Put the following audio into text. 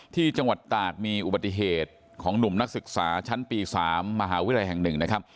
ที่จังหวัดตากมีอุบัติเหตุของหนุ่มนักศึกษาชั้นปี๓มหาวิทยาลัยแห่ง๑นะครับ